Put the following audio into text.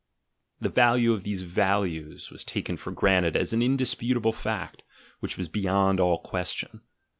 The value of these "values" was taken for Lrunted as an indisputable fact, which was beyond all question.